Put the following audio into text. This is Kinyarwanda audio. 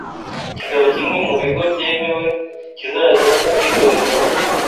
kikaba kimwe mu bigo byemewe kizajya cyitorezwamo